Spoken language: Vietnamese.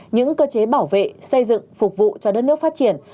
những cơ chế bảo vệ xây dựng phục vụ cho đất nước phát triển